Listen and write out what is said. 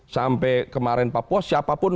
sampai kemarin papua siapapun